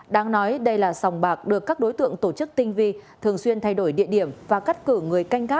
đáng nói đây là sòng bạc được các đối tượng tổ chức tinh vi thường xuyên thay đổi địa điểm và cắt cử người canh gác